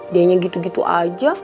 dianya gitu gitu aja